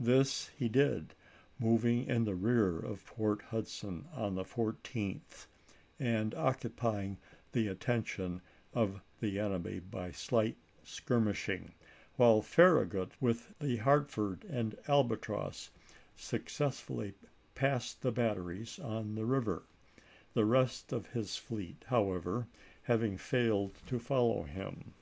This he did, moving in the partL^1^! rear °f ^or^ Hudson on the 14th, and occupy ing the attention of the enemy by slight skir mishing, while Farragut, with the Hartford and Mar.i4,i863. Albatross, successfully passed the batteries on the river, the rest of his fleet, however, having failed to follow him.